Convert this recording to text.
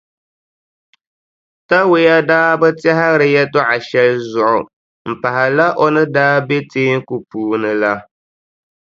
Tawia daa bi tɛhiri yɛltɔɣʼ shɛli zuɣu m-pahila o ni daa be teeku puuni la.